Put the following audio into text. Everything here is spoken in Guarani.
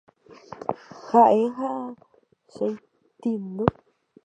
Ha'e ha chetĩndy.